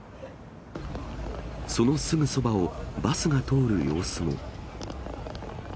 そのすぐそばをバスが通る様子も。